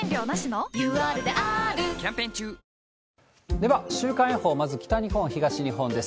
では、週間予報、まず北日本、東日本です。